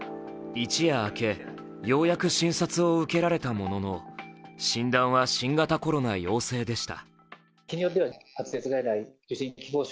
一夜明け、ようやく診察を受けられたものの診断は新型コロナ陽性でした。